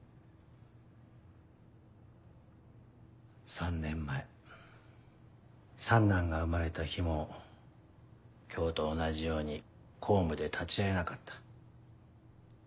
３年前三男が生まれた日も今日と同じように公務で立ち会えなかった。